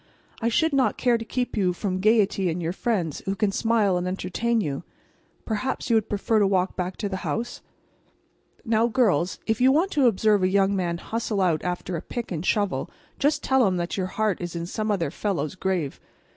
I should not care to keep you from gayety and your friends who can smile and entertain you. Perhaps you would prefer to walk back to the house?" Now, girls, if you want to observe a young man hustle out after a pick and shovel, just tell him that your heart is in some other fellow's grave.